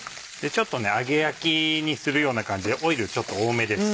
ちょっと揚げ焼きにするような感じでオイルちょっと多めです。